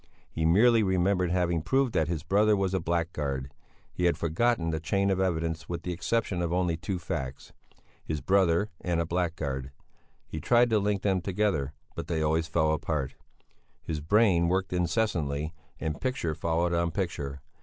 He merely remembered having proved that his brother was a blackguard; he had forgotten the chain of evidence with the exception of only two facts: his brother and a blackguard: he tried to link them together, but they always fell apart. His brain worked incessantly and picture followed on picture.